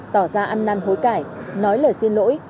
tỏ ra ăn năn hối cải nói lời xin lỗi